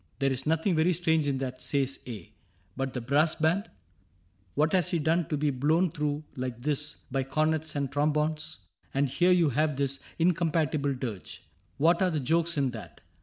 —' There is nothing very strange in that,' says A ;' But the brass band ? What has he done to be Blown through like this by cornets and trombones ? And here you have this incompatible dirge — Where are the jokes in that